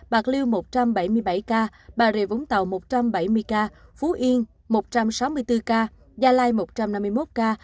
bạc liêu một trăm bảy mươi bảy ca bà rịa vũng tàu một trăm bảy mươi ca phú yên một trăm sáu mươi bốn ca gia lai một trăm năm mươi một ca